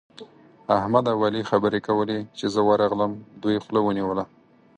احمد او علي خبرې کولې؛ چې زه ورغلم، دوی خوله ونيوله.